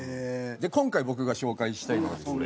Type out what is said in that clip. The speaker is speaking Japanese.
今回僕が紹介したいのがですね